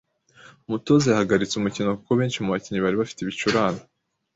Umutoza yahagaritse umukino kuko benshi mu bakinnyi bari bafite ibicurane